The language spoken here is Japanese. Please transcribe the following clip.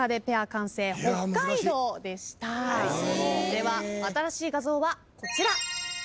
では新しい画像はこちら。